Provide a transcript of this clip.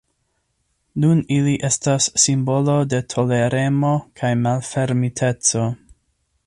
Nun ili estas simbolo de toleremo kaj malfermiteco.